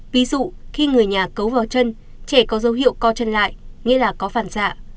ví dụ khi người nhà cấu vào chân trẻ có dấu hiệu co chân lại nghĩa là có phản xạ